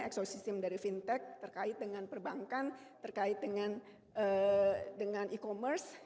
exo system dari fintech terkait dengan perbankan terkait dengan e commerce